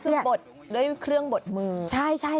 อันนี้คือบดด้วยเครื่องบดมือ